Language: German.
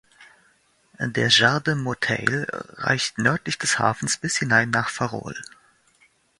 Der Jardim Motael reicht nördlich des Hafens bis hinein nach Farol.